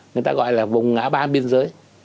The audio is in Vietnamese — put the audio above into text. người ta gọi là vùng ngã ba biên giới